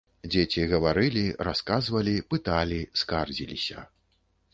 Дзеці гаварылі, расказвалі, пыталі, скардзіліся.